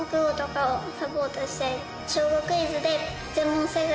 『小５クイズ』で。